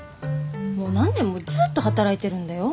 もう何年もずっと働いてるんだよ。